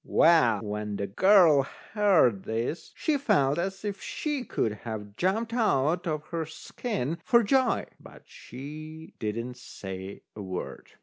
Well, when the girl heard this, she felt as if she could have jumped out of her skin for joy, but she didn't say a word.